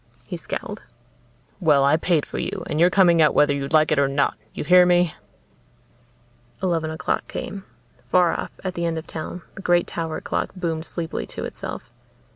He scowled. "Well, I paid for you, and you're coming out whether you like it or not. You hear me?" Eleven o'clock came. Far off, at the end of town, the great tower clock boomed sleepily to itself.